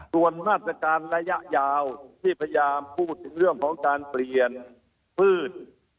ส่วนมาตรการระยะยาวที่พยายามพูดถึงเรื่องของการเปลี่ยนพืช